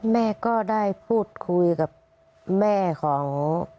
แม่ก็ได้พูดคุยกับแม่ของ